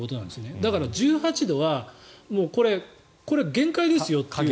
だから、１８度はこれは限界ですよと。